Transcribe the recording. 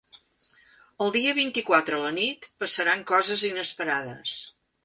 El dia vint-i-quatre a la nit passaran coses inesperades.